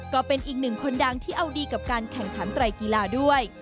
ก็เป็นอีกหนึ่งคนดังที่เอาดีกับการแข่งขันไตรกีฬาด้วย